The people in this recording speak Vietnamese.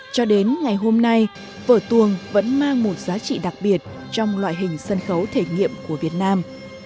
cho đến ngày hôm nay vở tuồng vẫn mang một giá trị đặc biệt trong loại hình sân khấu thể nghiệm của việt nam